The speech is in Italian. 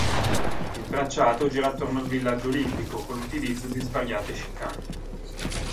Il tracciato, gira attorno al villaggio olimpico, con l'utilizzo di svariate chicane.